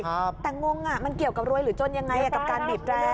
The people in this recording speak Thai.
แต่งงอ่ะมันเกี่ยวกับรวยหรือจนยังไงกับการบีบแรร์